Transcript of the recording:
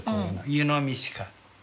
湯飲みしか。